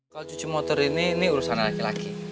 kalau cuci motor ini ini urusan laki laki